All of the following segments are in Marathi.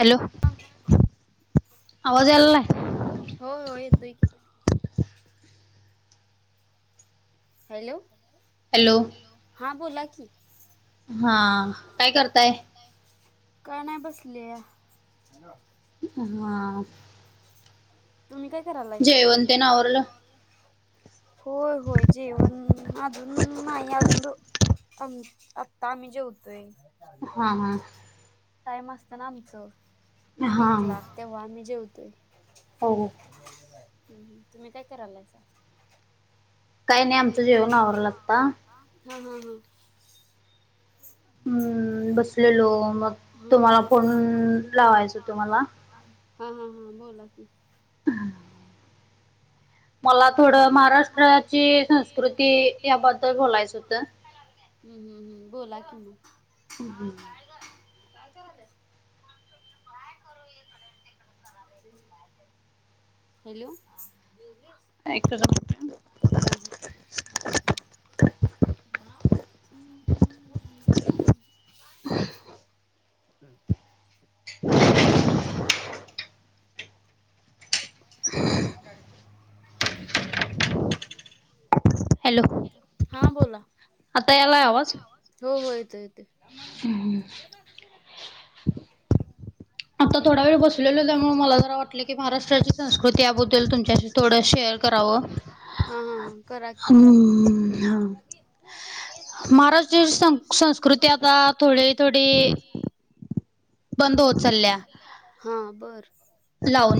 हॅलो. हा आवाज आयलाय. हो. हो. येतोय की. हॅलो. हॅलो. हॅलो. हां बोला की. हां. हा काय करताय? कर काय नाही बसलेया. हा. तुम्ही काय करायलासा? जेवण तेन आवरलं होय. होय. जेवण -अजून नाही अजून- आम आत्ता आम्ही जेवतोय. हा हा टाइम असत ना आमचं? हा एकला. तेव्हा आम्ही जेवतोय. हो हो. [unintelligible] तुम्ही काय करायलायसा? काही नाही आमचं जेवण आवरलं आत्ता. हा. हा. हा. [inaudible] हम्म तुम्हाला बसलेलो मग तुम्हाला फोन लावायचं होत लावायच मला तुम्हाला. हा. हा. हा. बोला कि. मला थोडं महाराष्ट्राची संस्कृती याबद्दल बोलायचं होतं. हम्म. हम्म. हम्म. बोला कि. ह. हं. हं. काय ग? काय करायलेयास? काय करू इकडे ण तिकडे [unintelligible] हॅलो, जेवलीस? [inaudible] हा. थँक्य [unintelligible] [inaudible] [inaudible] हम्म. [inaudible] [inaudible] हॅलो. हा बोला. आता येतोय आवाज? हो हो येतोय येतोय. [inaudible] आता थोडा वेळ बसलेलो त्यामुळे मला जरा वाटलं की महाराष्ट्र ची संस्कृती याबद्दल तुमच्याशी थोडं शेअर करावं [inaudible] महाराष्ट्र हम्म हा महाराष्ट्रीय सं संस्कृती आता थोडे थोड्या थोडे थोडी बंद होत चालल्या. हा बर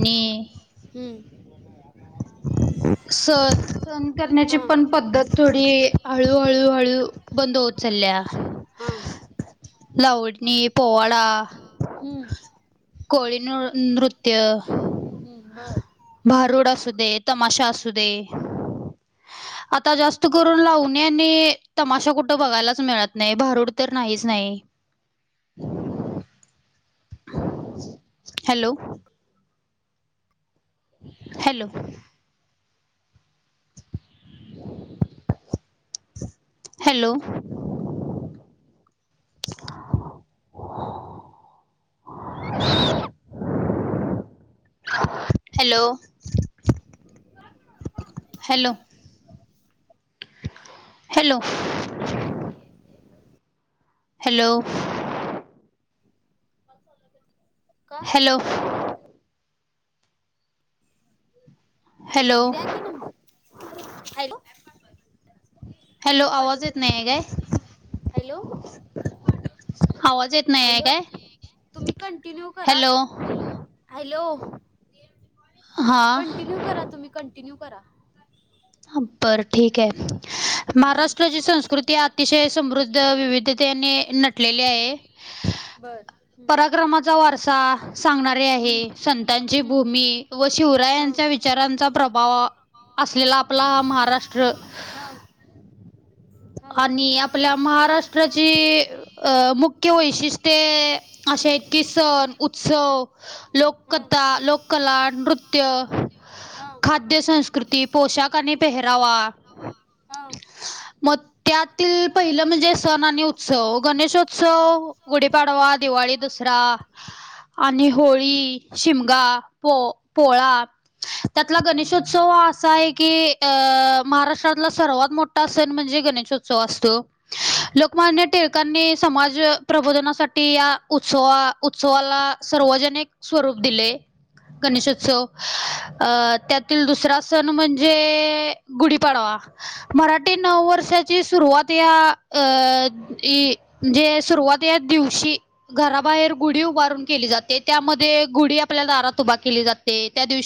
लावणी, हम्म [inaudible] सण सण करण्याची हा पण पद्धत थोडी हळू हळू हळू बंद होतं चालल्या हां. लवडनी, पोवाडा हम्म कोळी न नृत्य हम्म बर भारुड असू दे, तमाशा असू दे आता जास्त करून लावणीय आणि तमाशा कुठं बघायलाच मिळत नाही भारूड तर नाहीच नाही hello. Hello. Hello. Hello. [inaudible] Hello. हो हॅलो. [inaudible] हॅलो. [unintelligible] का? हॅलो. म हॅलो द्या की नंबर हॅलो हॅलो लिंक आवाज पाठवत येत नाही त्यावर, आहे काय हॅलो. तु मला आवाज येत पाठव नाही आहे हॅलो काय तुम्ही कंटिन्यू करा हॅलो हॅलो हॅलो हां कंटिन्यू करा तुम्ही कंटिन्यू करा हम्म. बर ठीक आहे, हम्म, महाराष्ट्राची संस्कृती अतिशय समृद्ध विविधतेने नट लेली आहे बर हम्म. पराक्रमाचा वारसा सांगणारी आहे संतांची हम्म, हम्म, भूमी व हा शिवरायांच्या विचारांचा प्रभाव असलेला आप आपला महाराष्ट्र हा हा आणि आपल्या महाराष्ट्राची, अ मुख्य वैशिष्ट्य ते अशे आहेत कि सण, उत्सव, लोककथा, लोककला, नृत्य हां मद्य संस्कृती, पोशाख, आनी पेहरावा हां. मग त्यातील पहिलं म्हणजे सण आणि उत्सव, गणेशोत्सव गुढीपाडवा दिवाळी दसरा आणि होळी, शिमगा पो पोळा त्यातला गणेशोत्सव हा असा आहे की, अं महाराष्ट्रातला सर्वात मोठा स सण म्हणजे गणेशोत्सव असतो. लोकमान्य टिळकांनी समाज प्रबोधनासाठी या उत्सवा उत्सवाला सार्वजनिक स्वरूप दिले. गणेशोत्सव, अ त्यातील दुसरा सण म्हणजे गुढीपाडवा. मराठी नववर्षाची सुरुवात ह्या अ म्हणजे सुरुवात या दिवशी घराबाहेर गुढी उभारून केली जाते, त्यामध्ये गुढी आपल्या दारात उभा केली जाते, त्या दिवशी